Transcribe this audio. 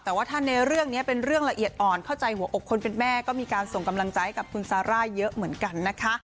แต่ว่าถ้าในเรื่องนี้เป็นเรื่องละเอียดอ่อนเข้าใจหัวอกคนเป็นแม่ก็มีการส่งกำลังใจให้กับคุณซาร่าเยอะเหมือนกันนะคะ